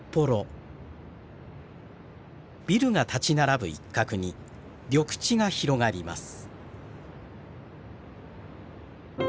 ビルが立ち並ぶ一角に緑地が広がります。